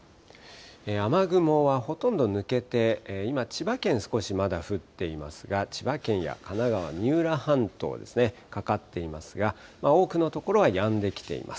雨雲はほとんど抜けて、今、千葉県、少しまだ降っていますが、千葉県や神奈川、三浦半島ですね、かかっていますが、多くの所はやんできています。